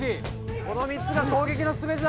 この３つが攻撃の全てだ！